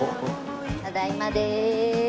ただいまです。